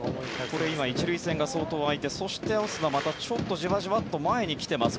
これ、１塁線が相当空いてそして、オスナはまたじわじわっと前に来ています。